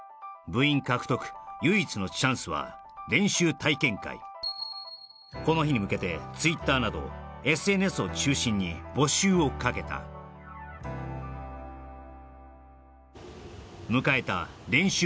部員獲得唯一のチャンスは練習体験会この日に向けてツイッターなどＳＮＳを中心に募集をかけた迎えた練習